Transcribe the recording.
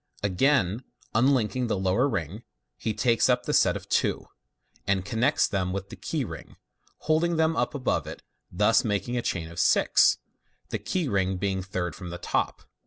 Again unlinking the lower ring, he takes up the set of two, and con Fig. 240. MOVER.. MAGIC. 405 riects them with the key ring, holding them up above it, thus making n chain of six, the key ring being third from the top.